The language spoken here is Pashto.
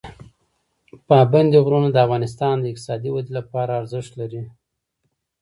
پابندي غرونه د افغانستان د اقتصادي ودې لپاره ارزښت لري.